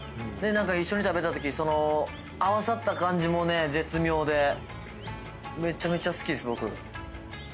一緒に食べたとき合わさった感じもね絶妙でめちゃめちゃ好きです僕。